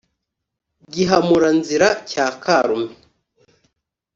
gihamura-nzira cya karume